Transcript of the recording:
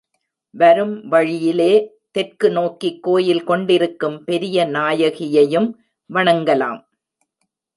வரும் வழியிலே தெற்கு நோக்கிக் கோயில் கொண்டிருக்கும் பெரிய நாயகியையும் வணங்கலாம்.